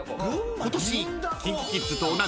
［今年］